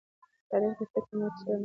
تاریخ د فتحې او ماتې سره مل دی.